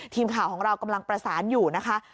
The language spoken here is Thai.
ทีมข่าวของเรากำลังประสานอยู่นะคะ